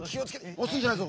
おすんじゃないぞ。